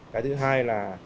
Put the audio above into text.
cái thứ hai là